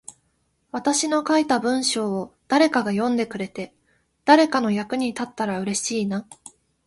私の書いた文章を誰かが読んでくれて、誰かの役に立ったら嬉しいな。